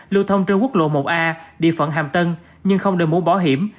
lưu thông trên quốc lộ một a địa phận hàm tân nhưng không được mũ bỏ hiểm